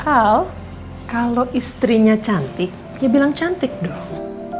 al kalau istrinya cantik ya bilang cantik dong